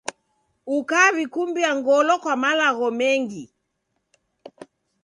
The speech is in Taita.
Ukaw'ikumbia ngolo kwa malagho mengi.